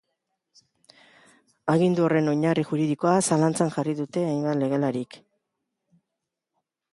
Agindu horren oinarri juridikoa zalantzan jarri dute hainbat legelarik.